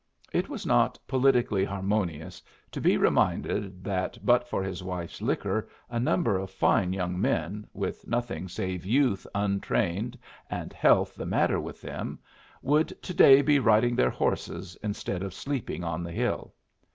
It was not politically harmonious to be reminded that but for his wife's liquor a number of fine young men, with nothing save youth untrained and health the matter with them, would to day be riding their horses instead of sleeping on the hill.